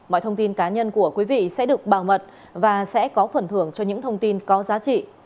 mọi thông tin cá nhân của quý vị sẽ được bảo mật và sẽ có phần thưởng cho những thông tin có giá trị